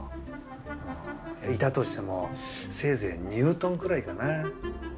いたとしてもせいぜいニュートンくらいかな。